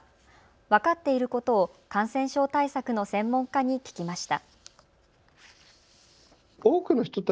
分かっていることを感染症対策の専門家に聞きました。